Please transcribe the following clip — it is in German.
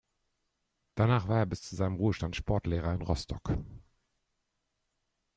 Danach war er bis zu seinem Ruhestand Sportlehrer in Rostock.